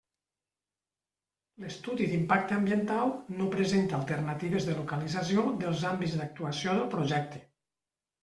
L'estudi d'impacte ambiental no presenta alternatives de localització dels àmbits d'actuació del projecte.